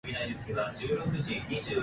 札幌市北区